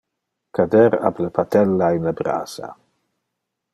Cader ab le patella in le brasa.